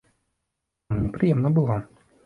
А мне прыемна было.